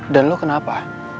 dan lu kenapa